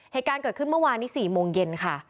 เหตุการณ์เกิดขึ้นเมื่อวานนี้๔โมงเย็นค่ะ